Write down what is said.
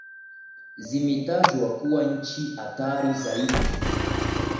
zimetajwa kuwa nchi hatari zaidi